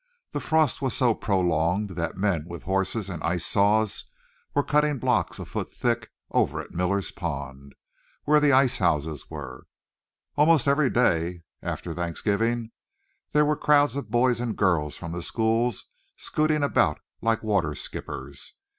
The frost was so prolonged that men with horses and ice saws were cutting blocks a foot thick over at Miller's Point, where the ice houses were. Almost every day after Thanksgiving there were crowds of boys and girls from the schools scooting about like water skippers.